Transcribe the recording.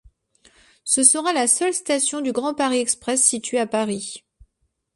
Ce sera la seule station du Grand Paris Express située à Paris.